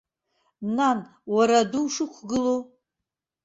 Нан, уара адәы ушықәгылоу!